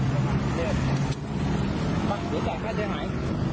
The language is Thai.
ข้าเสียถ่ายข้าเสียถ่าย